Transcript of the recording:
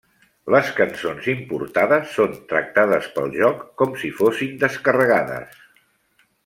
Les cançons importades són tractades pel joc com si fossin descarregades.